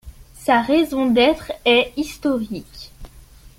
Sa raison d'être est historique.